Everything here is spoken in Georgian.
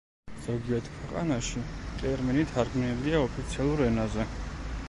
ზოგიერთ ქვეყანაში ტერმინი თარგმნილია ოფიციალურ ენაზე.